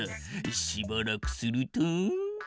しばらくすると。